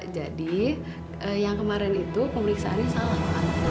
jadi yang kemarin itu pemeriksaannya salah